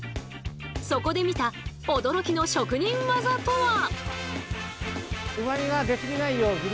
そこで見た驚きの職人ワザとは！？